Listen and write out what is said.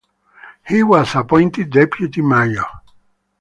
He was appointed deputy mayor.